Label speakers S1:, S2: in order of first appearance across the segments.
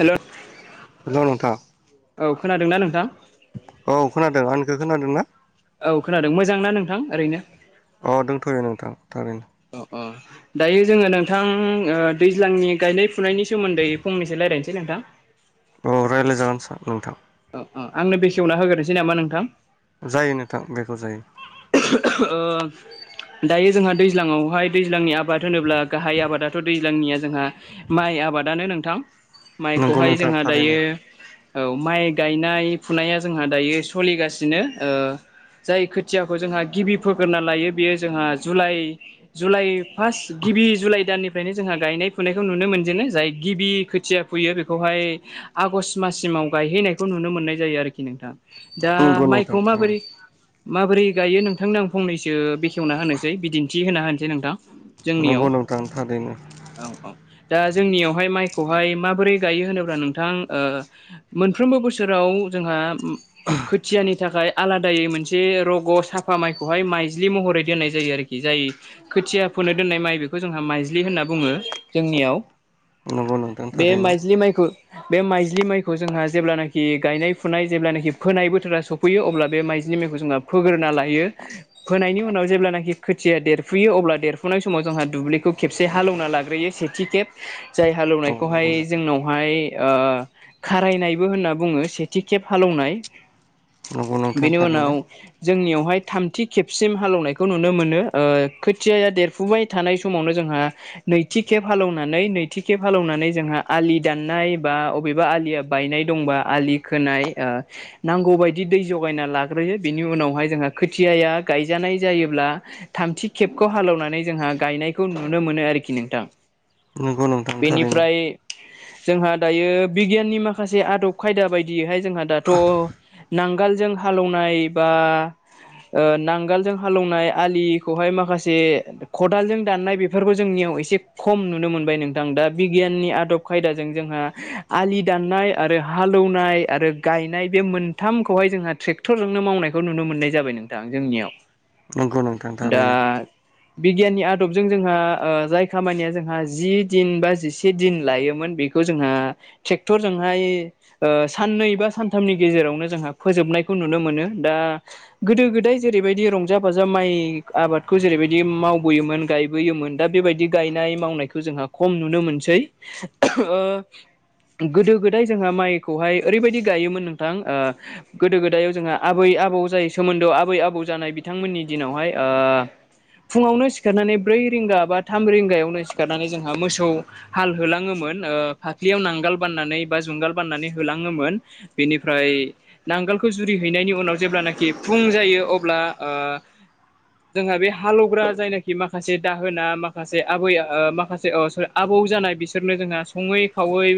S1: हेल' औ
S2: हेल' नोंथां
S1: खोनादोंना नोंथां?
S2: औ खोनादों । आंनिखो खोनादों ना?
S1: औ खोनादों मोजांना नोंथां ओरैनो?
S2: अ दंथ'नो नोंथां थारैनो ।
S1: अ अ दायो जोङो नोंथां ओ दैज्लांनि गायनाय फुनायनि सोमोन्दै फंनैसो रायलायनोसै नोंथां ।
S2: औ रायज्लायजागोन सार नोंथां ।
S1: अह आंनो बेखेवना होग्रोनोसै नामा नोंथां?
S2: जायो नोंथां बेखेव जायो ।
S1: ओ दायो जोंहा दै ज्लाङावहाय दैज्लांनि आबाद होनोब्ला गाहाय आबादाथ' दैज्लांनिया जोंहा माइ आबादानो नोंथां ।
S2: नंगौ
S1: माइखौहाय
S2: नोंथां
S1: जोंहा
S2: थारैनो
S1: दायो औ माइ गायनाय फुनाया जोंहा दायो सलिगासिनो ओ जाय खोथियाखौ जोंहा गिबि फोग्रोना लायो बेयो जोंहा जुलाइ जुलाइ फार्स्ट गिबि जुलाइ दाननिफ्रायनो जोंहा गायनाय फुनायखौ नुनो मोनजेनो जाय गिबि खो थिया फुयो बेखौहाय आगष्टट माससिमाव गायहैनायखौ नुनो मोननाय जायो आरोखि नोंथां । दा
S2: नंगौ नोंथां
S1: माइखौ
S2: थारैनो
S1: माबोरै माबोरै गायो नोंथांनो आं फंनैसो बेखेवना होनोसै बिदिन्थि होना होनोसै नोंथां । जोंनियाव
S2: नंगौ नोंथां थारैनो
S1: औ औ दा जोंनियावहाय माइखौहाय माबोरै गायो होनोब्ला नोंथां ओ मोनफ्रोमबो बोसोराव जोंहा खोथियानि थाखाय आलादायै मोनसे रग' साफा माइखौहाय माइज्लि महरै दोननाय जायो आरोखि । जाय खोथिया फोनो दोननाय माइ बेखौ जोंहा माइज्लि होनना बुङो जोंनियाव ।
S2: नंगौ नोंथां ।
S1: बे माइज्लि माइखौ बे माइज्लि माइखौ जोंहा जेब्लानोखि गायनाय फुनाय जेब्लानोखि फोनाय बो थोरा सफैयो अब्ला बे माइलिनि मायखौ जोंना फोग्रोना लायो फोनायनि उनाव जेब्लानाखि खोथिया देरफुयो अब्ला देरफुनाय समाव जोंहा दुब्लिखौ खेबसे हालौवना लाग्रोयो सेथि खेब जायहा
S2: औ
S1: हालौनायखौहाय
S2: नंगौ नोंथां
S1: जोंनावहाय ओ खारायनायबो होनना बुङो सेथि खेब हालेवनाय।
S2: नंगौ नोंथां
S1: बेनि उनाव
S2: थारैनो
S1: जोंनियावहाय थामथि खेबसिम हालेवनायखौ नुनो मोनो खोथिया देरफुबाय थानाय समावनो जोंहा नैथि खेब हालेवनानै नैथि खेब हालेवनानै जोंहा आलि दाननाय बा अबेबा आलिया बायनाय दंबा आलि खोनाय नांगौबायायदि दै जगायना लाग्रोयो बिनि उनावहाय जोंहा खोथियाया गायजानाय जायोब्ला थामथि खेबखौ हालेवनानै जोंहा गायनायखौ नुनो मोनो आरोखि नोंथां।
S2: नंगौ नोंथां थारैनो
S1: बेनिफ्राय जोंहा दायो बिगियाननि माखासे आदब खायदा बायदियैहाय जोंहा दाथ' नांगोल जों हालेवनाय बा ओ नांगालजों हालौवनाय आलिखौहाय माखासे खदालजों दाननाय बेफोरखौ जोंनियाव एसे खम नुनो मोनबाय नोंथां दा बिगियाननि आदब खायदाजों जोंहा आलि दाननाय आरो हालेवनाय आरो गायनाय बे मोनथामखौहाय जोंहा ट्रेक्टरजोंनो मावनायखौ नुनो मोननाय जाबाय नोंथां जोंनियाव।
S2: नंगौ नोंथां थारैनो
S1: दा बिगियाननि आदबजों जोंहा जाय खामानिया जोंहा जि दिन बा जिसे दिन लायोमोन बेखौ जोंहा ट्रेक्टरजोंहाय साननै बा सानथामनि गेजेरावनो जोंहा फोजोबनायखौ नुनो मोनो गोदो गोदाय जेरैबायदि रंजा बाजा जा माइ आबादखौ जेरैबायदि मावबोयोमोन गायबोयोमोन दा बेबायदि गायनाय मावनायखौ जोंहा खम नुनो मोनसै ओ गोदो गोदाय जोंहा माइखौहाय ओरैबायदि गायोमोन नोंथां गोदो गोदायायाव जोंहा आबै आबौ जाय सोमोन्दोआव आबै आबौ जानाय बिथांमोननि दिनावहाय ओ फुङावनो सिखारनानै ब्रै रिंगा बा थाम रिंगायावनो सिखारनानै जोंहा मोसौ हाल होलाङोमोन। फाफ्लियाव नांगोल बाननानै बा जुंगाल बाननानै होङोमोन बेनिफ्राय नांगोलखौ जुरिहैनायनि उनाव जेब्लानखि फुं जायो अब्ला ओ जोंहा बे हालेवग्रा जायनाखि माखासे दाहोना माखासे आबै माखासे आबौ जानाय बिसोरनो जोंहा सङै खावै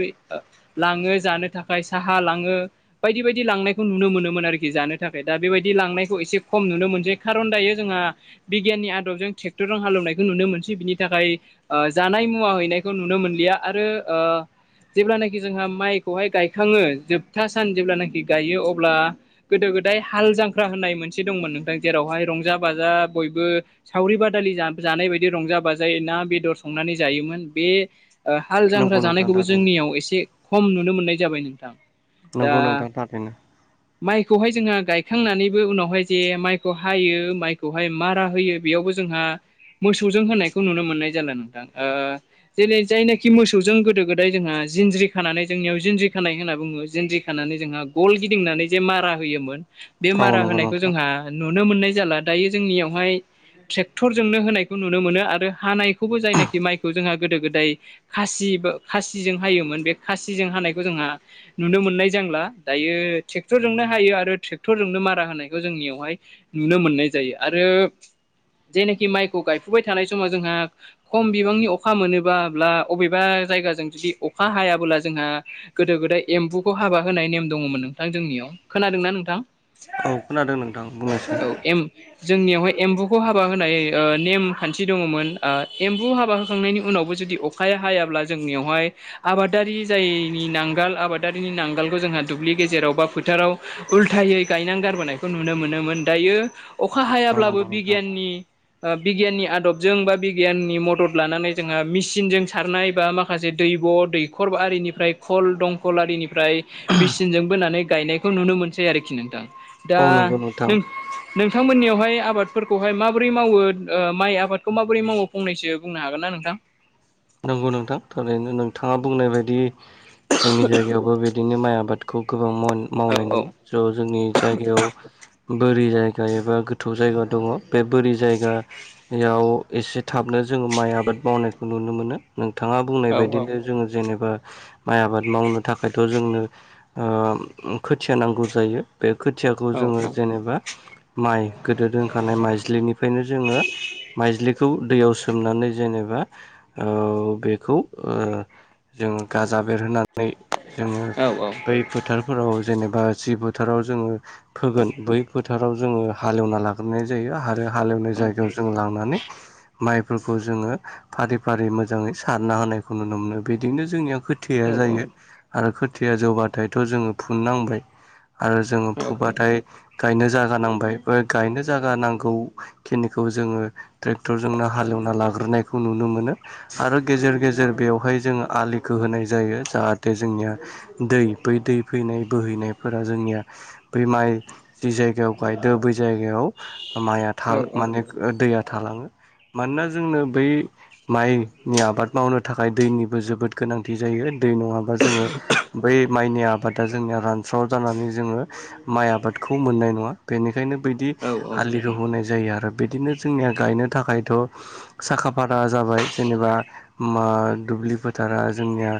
S1: लाङो जानो थाखाय साहा लाङो बायदि बेबायदि लांनायखौ नुनो मोनोमोन आरोखि जानो थाखाय दा बेबायदि लांनायखौ एसे खम नुनो मोनसै खारन दायो जोंहा बिगियाननि आदबजों ट्रेक्टरजों हालेवनायखौ नुनो मोनसै बिनि थाखाय जानाय मुवा हैनायखौ नुनो मोनलिया आरो ओ जेब्लानाखि जोंहा माइखौहाय गायखाङो जोबथा सान जेब्लानाखि गायो अब्ला गोदो गोदाय हाल जांख्रा होननाय मोनसे दंमोन नोंथां। जेरावहाय रंजा बाजा बयबो सावरि बादालि जानाय बायदि रंजा बाजाय ना बेदर संनानै। जायोमोन बे। हाल जांग्रा
S2: नंगौ नोंथां
S1: जानायखौबो
S2: थारैनो
S1: जोंनियाव एसे खम नुनो मोननाय जाबाय नोंथां।
S2: नंगौ नोंथां थारैनो।
S1: खौहाय जोङो गायखांनानैबो उनावहाय जे माइ। हायो माइखौहाय मारा होयो बेयावबो जोंहा। मोसौजों होनायखौ नुनो मोननाय जाला नोंथां जेरै जायनाखि मोसौजों गोदो गोदाय जोंहा। जिन्ज्रि खानानै जोंनियाव जिन्ज्रि खानाय होनना बुङो जिन्ज्रि खानानै जोंहा गल गिदिंनानै जे मारा होयोमोन। बे
S2: औ
S1: मारा
S2: नंगौ
S1: होनायखौ
S2: नोंथां
S1: जोंहा नुनो मोननाय जाला दायो जोंनियावहाय। ट्रेक्टरजोंनो होनायखौ नुनो मोनो आरो हानायखौबो जायनाखि माइखौ जोंहा गोदो गोदाय खासि। खासिजों हायोमोन बे खासिजों हानायखौ जोंहा नुनो मोननाय जांला दायो। ट्रेक्टर जोंनो हायो आरो ट्रेक्टरजोंनो मारा होनायखौ जोंनियावहाय नुनो मोननाय जायो आरो। जेनाखि माइखौ गायफुबाय थानाय समाव जोंहा खम बिबांनि अखा मोनोब्ला अबेबा। जायगाजों जुदि अखा हायाबोला जोंहा गोदो गोदाय एम्बुखौ हाबा होनाय नेम दङमोन नोंथां जोंनियाव खोनादोंना नोंथां।
S2: औ खोनादों नोंथां। बुंनायसै
S1: औ एम। जोंनियावहाय एम्बुखौ हाबा होनाय ओ नेम खान्थि दङमोन ओ एम्बु हाबा होखांनायनि उनावबो जुदि। अखाया हायाब्ला जोंनियावहाय आबादारि जायनि नांगाल आबादारिनि नांगालखौ जोंहा। दुब्लि गेजेराव बा फोथाराव उल्थायै गायना गारबोनायखौ नुनो मोनो। मोन दायो अखा
S2: औ
S1: हायाब्लाबो
S2: नंगौ नोंथां
S1: बिगियाननि। ओ बिगियाननि आदबजों बा बिगियाननि मदद लानानै जोंहा मेसिनजों सारनाय बा माखासे दै। बिब' दैखर आरिनिफ्राय खल दंखल आरिनिफ्राय मेसिनजों बोनानै गायनायखौ नुनो मोन। सै आरोखि नोंथां दा।
S2: नोथां।
S1: नों नोंथांमोननियावहाय आबादफोरखौहाय माबोरै मावो ओ माइ आबादखौ माबोरै मावो फंनैसो बुंनो हागोन ना। नोंथां।
S2: नंगौ नोंथां थरैनो नोंथाङा बुंनाय बायदि जोंनि जायगायावबो बिदिनो माइ आबाद। खौ गोबां माव
S1: औ
S2: मावनाय ज' जोंनि जायगायाव। बोरि जायगा एबा गोथौ जायगा दङ बे बोरि जायगायाव एसे थाबनो। जोङो माइ आबाद मावनायखौ नुनो मोनो नोंथाङा बुंनाय
S1: औ
S2: बायदिनो जोङो जेनेबा। माइ आबाद मावनो थाखायथ' जोंनो ओ खोथिया नांगौ जायो। बे खोथियाखौ जोङो जेनेबा। माइ गोदो दोनखानाय माइज्लिनिफ्रायनो जोङो माइज्लिखौ दैयाव सोमनानै जेनेबा। बा ओ बेखौ ओ जों गाजा बेर होनानै। नै जोङो
S1: औ
S2: बै फोथारफोराव जेनेबा जिबो। फोथाराव जोङो फोगोन बै फोथाराव जोङो हालेवना लाग्रोनाय जायो आरो। हालेवनाय
S1: औ
S2: जायगायाव जों लांनानै माइफोरखौ जोङो फारि। फारि मोजाङै सारना होनायखौ नुनो मोनो बिदिनो जोंनिया खोथिया
S1: औ
S2: जायो
S1: औ
S2: आरो। खोथिया जौबाथायथ' जोङो फुननांबाय आरो जोङो
S1: औ
S2: फुबाथाय। गायनो जागा नांबाय बे गायनो जागा नांगौखिनिखौ जोङो ट्रेक्टरजोंनो हालेव। एवना लाग्रोनायखौ नुनो मोनो। आरो गेजेर गेजेर बेवहाय जोङो आलिखौ होनाय जायो जाहाथे जोंनिया दै। बै दै फैनाय बोहैनायफोरा जोंनिया बै माइ जि जायगायाव गायदो बै। जायगायाव माय था माने दैया। थालाङो मानोना जोंनो बै। माइनि आबाद मावनो थाखाय दैनिबो जोबोद गोनांथि जायो। दै नङाबा जोङो बै माइनि आबादा जोंनिया रान। स्राव जानानै जोङो माइ आबादखौ मोननाय नङा बेनि। ओरैनो बैदि आलिखौ होनाय जायो आरो। बिदिनो जोंनिया गायनो थाखायथ' साखा फारा। जाबाय जेनेबा मा दुब्लिफोर। दारा जोंनिया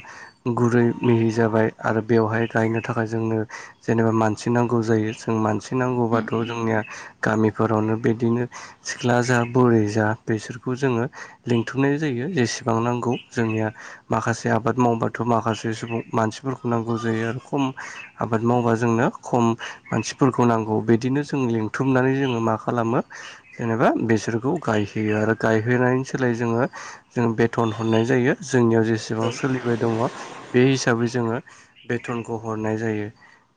S2: गुरै मिहि जाबाय आरो बेवहाय गायनो थाखाय जोंनो। जेनेबा मानसि नांगौ जायो जों मानसि नांगौबाथ' जोंनिया। गामिफोरावनो बिदिनो सिख्ला जा बुरै जा बेसोरखौ जोङो। लिंथुमनाय जायो जेसेबां नांगौ जोंनिया माखासे आबाद मावबाथ' माखासे सुबुं मानसि। फोरखौ नांगौ जायो आरो खम आबाद मावबा जोंनो खम मानसिफोरखौ नांगौ बिदिनो जों। लिंथुमनानै जोङो मा खालामो जेनेबा बेसोरखौ गायहोयो आरो गायहोनायनि। सोलाय जोङो जो बेथन हरनाय जायो। जोंनियाव जेसेबां सोलिबाय दङ बे हिसाबै जोङो। बेथनखौ हरनाय जायो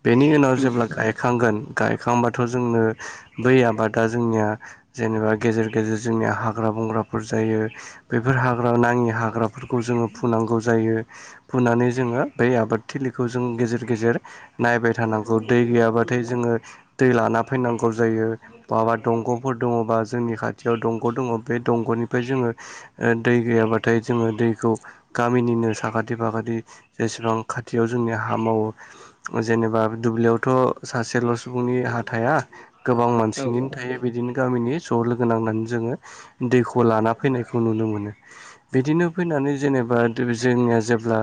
S2: बेनि उनाव जेब्ला गायखांगोन। गायखांबाथ' जोंनो बै आबादा जोंनिया जेनेबा गेजेर गेजेर जोंनिया हाग्रा बंग्रा। जायो बेफोर हाग्रा नाङि हाग्राफोरखौ जोङो फुनांगौ जायो फुनानै जोङो। ओ आबाद थिलि जों गेजेर गेजेर नायबाय थानांगौ दै गैयाबाथाय जोङो दै। लाना फैनांगौ जायो बाबा दंग'फोर दङबा जोंनि खाथियाव दंग' दङ बे दंग'नि। ओमफ्राय जोङो दै गैयाबाथाय जोङो दैखौ गामिनिनो साखाथि फाखाथि। बेसेबां खाथियाव जोंनि हा मावो जेनेबा दुब्लियावथ' सासेल' सुबुंनि हाथा। हाया गोबां मसिनो थायोण बिदिनो गामनि ज लोगो नांनानै जङो दैखौ लाना फैनायखौ नुनो मोनो बिदिनो फैनानै जेनेबा जोंनिया जेब्ला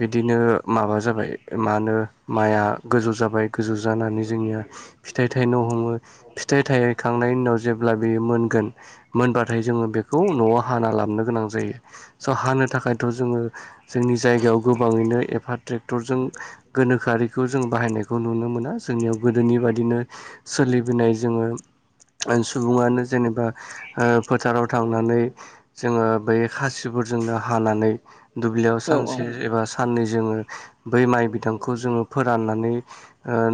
S2: बिदिनो माबा जाबाय मा होनो माइआ गोजौ जाबाय गोजौ जानानै जोंनिया फिथाइ थाइनो हमो फिथाइ थायखांनायनि उनाव जेब्ला बेयो मोनगोन मोनबाथाय जोङो बेखौ न'आव हाना लाबोननो गोनां जायो स हानो थाखायथ' जोङो जोंनि जायगायाव गोबां एफा ट्रेटरजों गोनोखोआरिखौ जों बाहायनायखौ नुनो मोना जोंनियाव गोदोनि बायदिनो सोलिबोनाय जोङो सुबुङानो जेनेबा फोथाराव थांनानै जोङो बै खासिफोरजोंनो हानानै दुब्लियाव सानसे एबा साननै जोङो बै माइ बिदांखौ जोङो फोराननानै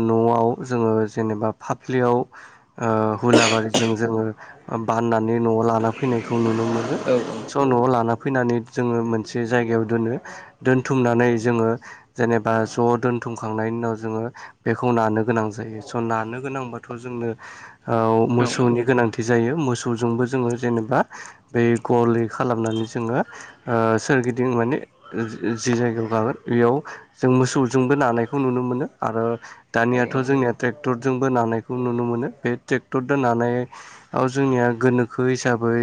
S2: न'आव जोङो जे जेनेबा फाफ्लियाव ओ हुलाबारिजों जो बाननानै न'आव लाना फैनायखौ नुनो मोनो स' न'आव ला लाना फनानै जोङो मोनसे जायगायाव दोन दोनथुमनानै जोङो जेनेबा ज' दोनथुमखांनायनि उनाव जोङो बेखौ नानो गोनां जायो स' नानो गोनांबाथ' जोंनो ओ मोसौनि गोनांथि जायो मोसौजोंबो जोङो जेनेबा बे गललै खालामनानै जोङो सोरगिदिं माने जि जायगायाव बेयाव जों मोसौजोंबो नानायखौ नुनो मोनो आरो दानियाथ' जोंनिया ट्रेकटर जोंबो नखौ नुनो मोनो बे ट्रेक्टर नानायाव जोंनिया गोनोखोयै हिसाबै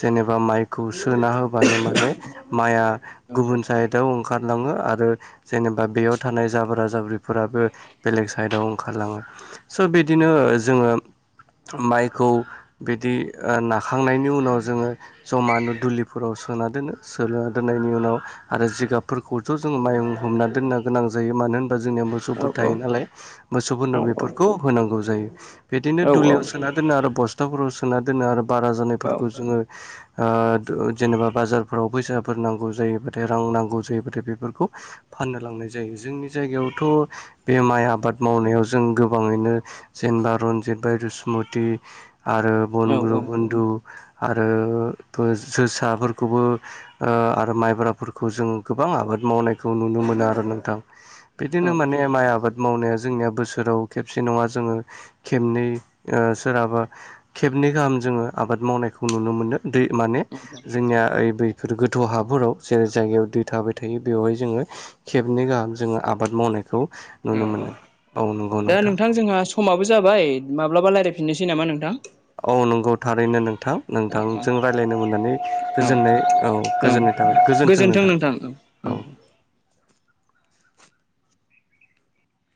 S2: जेनेबा माइखौ सोना होबानो माने माइआ
S1: औ औ
S2: गुबुन सायदआव ओंखार ओंखारलाङो आरो जेनेबा बेयाव थानाय जाब्रा जाब्रिफोराबो बेलेग साइडाव ओंखारलाङो स' बिदिनो जोङो माइखौ बिदि ओ ना सोखांनायनि उनाव जोङो जमा नो दुलिफोराव सोना दोनो सोना दोननायनि उनाव आरो जिगाबफोरखौथ' जोङो माइं हमना दोननो गोनां जायो मानो होनबा जोंनि
S1: औ
S2: मोसौफोर
S1: औ
S2: थायो नालाय मोसौफोरनो बेफोरखौ होनांगौ जायो बिदिनो दुलियाव सोना दोनो आरो बस्थाफोराव सोना दोनो आरो बारा जानायफोरखौ जोङो ओ जेनेबा बाजारफोराव फैसाफोर नांगौ जायोबाथाय रां नांगौ जायो बेफोरखौ फाननो लांनाय जायो जोंनि जथ' बे माइ आबाद मावनाय याव जों गोबाङैनो जेनेबा रनजित बाइसमुति आरो
S1: औ
S2: बनग्रुप आरो जोसाफोरखौबो ओ आरो माइब्राफोरखौ जों गोबां आबाद मावनायखौ नुनो मोनो आरो नोंथां बिदिनो माने
S1: औ
S2: माइ आबाद मावनाया जोंनि बोसोराव खेबसे नङा जो खेबनै ओ सोरहाबा खेबनैगाहाम जो आबाद मावनायखौ नुनो मोनो दै माने जोंनिया दैफोर गो थ' हाफोराव जेरै जायगायाव दै थाबाय थायो बेवहाय जोङो खेबनै गाहाम जोङो आबाद मावनायखौ नुनो
S1: औ औ
S2: मोनो औ नंगौ
S1: दा नोंथां जोंहा खमाबो जाबाय माब्लाबा रायलायफिननोसै नामा नोंथां
S2: औ नंगौ थारैनो नोंथां
S1: औ
S2: नोंथांजों रायज्लायनो मोननानै
S1: औ
S2: गोजोननाय औ गोजोननाय गोजोनथों
S1: गोजोन्थों
S2: नोंथां
S1: औ औ